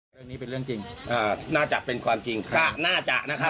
เรื่องนี้เป็นเรื่องจริงอ่าน่าจะเป็นความจริงค่ะน่าจะนะครับ